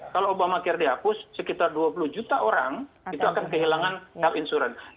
kalau obama care dihapus sekitar dua puluh juta orang itu akan kehilangan health insurance